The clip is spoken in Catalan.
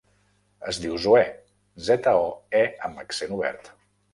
Es diu Zoè: zeta, o, e amb accent obert.